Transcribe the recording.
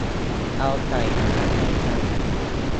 เอาไก่มาจากไหนกัน